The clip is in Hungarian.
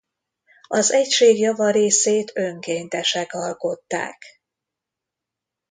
Az egység java részét önkéntesek alkották.